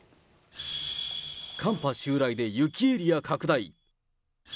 寒波襲来で雪エリア拡大。